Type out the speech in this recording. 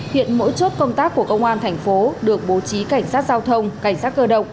hiện mỗi chốt công tác của công an thành phố được bố trí cảnh sát giao thông cảnh sát cơ động